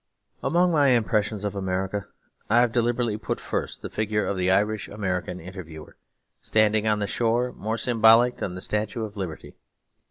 Among my impressions of America I have deliberately put first the figure of the Irish American interviewer, standing on the shore more symbolic than the statue of Liberty.